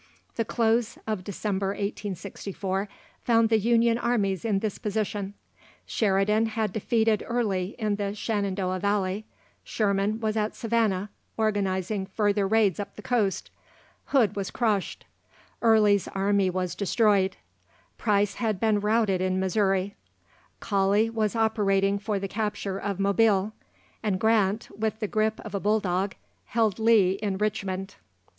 The close of December, 1864, found the Union armies in this position "Sheridan had defeated Early in the Shenandoah Valley; Sherman was at Savannah, organising further raids up the coast; Hood was crushed; Early's army was destroyed; Price had been routed in Missouri; Cawley was operating for the capture of Mobile; and Grant, with the grip of a bull dog, held Lee in Richmond."